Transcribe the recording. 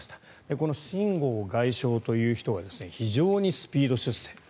この秦剛外相という人は非常にスピード出世。